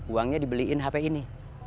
uangnya dibeliin hp ini